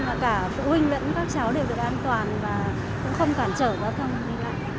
và cả phụ huynh lẫn các cháu đều được an toàn và cũng không cản trở giao thông đi lại